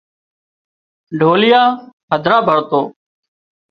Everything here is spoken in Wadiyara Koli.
ڍوليا هڌرا ڀرتو